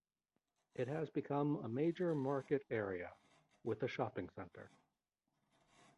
It has become a major market area with a shopping center.